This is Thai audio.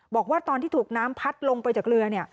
บอกว่าตอนที่ถูกน้ำพัดลงไปจากเรือเนี่ย